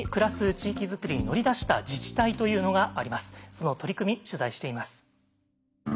その取り組み取材しています。